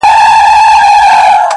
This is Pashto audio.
• گرانه شاعره له مودو راهسي،